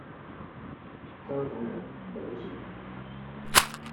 香港人頂住